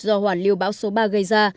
do hoàn lưu bão số ba gây ra